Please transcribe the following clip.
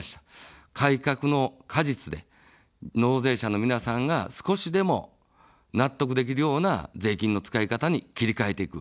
改革の果実で、納税者の皆さんが少しでも納得できるような税金の使い方に切り替えていく。